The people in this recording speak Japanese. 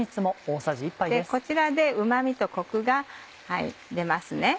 こちらでうま味とコクが出ます。